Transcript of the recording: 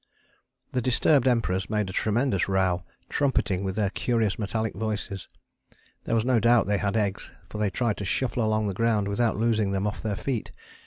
] The disturbed Emperors made a tremendous row, trumpeting with their curious metallic voices. There was no doubt they had eggs, for they tried to shuffle along the ground without losing them off their feet.